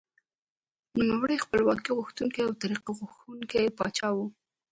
نوموړی خپلواکي غوښتونکی او ترقي خوښوونکی پاچا و.